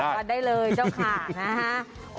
กามันได้เลยเสริมค่ะ